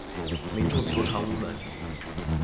民众求偿无门